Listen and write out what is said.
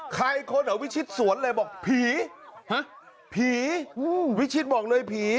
ใครคนอ่ะวิชิตสวนเลยบอกผีผีวิชิตบอกเลยผี